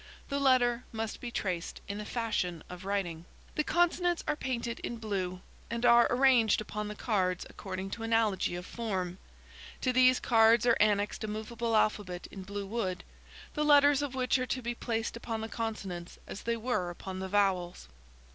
The letter must be traced in the fashion of writing. "The consonants are painted in blue, and are arranged upon the cards according to analogy of form. To these cards are annexed a movable alphabet in blue wood, the letters of which are to be placed upon the consonants as they were upon the vowels.